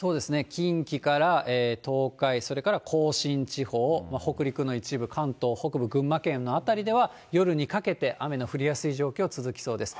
近畿から東海、それから甲信地方、北陸の一部、関東北部、群馬県の辺りでは、夜にかけて雨の降りやすい状況続きそうです。